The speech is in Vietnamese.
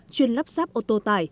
chuyên lắp ráp ô tô tải